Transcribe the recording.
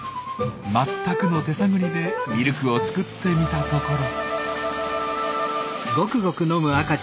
まったくの手探りでミルクを作ってみたところ。